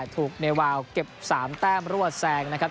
ในวาวเก็บ๓แต้มรั่วแซงนะครับ